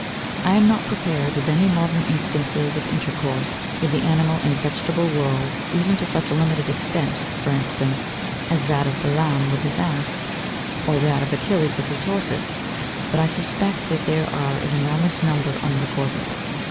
I am not prepared with any modern instances of intercourse with the animal and vegetable world, even to such a limited extent, for instance, as that of Balaam with his ass, or that of Achilles with his horses; but I suspect that there are an enormous number unrecorded.